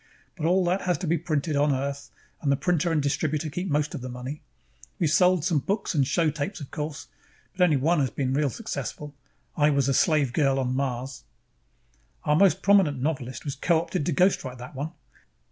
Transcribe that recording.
But all that has to be printed on Earth, and the printer and distributor keep most of the money. We've sold some books and show tapes, of course, but only one has been really successful I Was a Slave Girl on Mars. "Our most prominent novelist was co opted to ghostwrite that one.